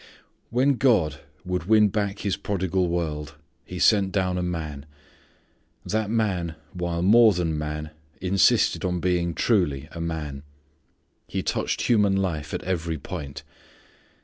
When God would win back His prodigal world He sent down a Man. That Man while more than man insisted upon being truly a man. He touched human life at every point.